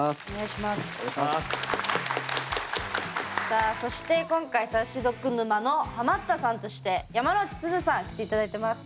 さあそして今回ＳａｕｃｙＤｏｇ沼のハマったさんとして山之内すずさん来て頂いてます。